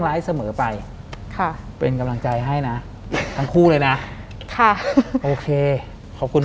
หลังจากนั้นเราไม่ได้คุยกันนะคะเดินเข้าบ้านอืม